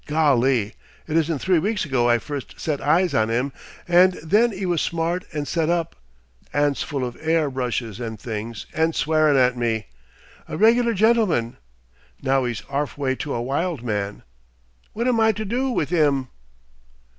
Golly! it isn't three weeks ago I first set eyes on 'im, and then 'e was smart and set up 'ands full of 'air brushes and things, and swearin' at me. A regular gentleman! Now 'e's 'arfway to a wild man. What am I to do with 'im?